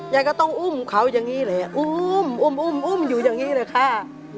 ยายก็ต้องอุ้มเขาอย่างนี้เลยอุ้มอุ้มอุ้มอยู่อย่างนี้เลยค่ะ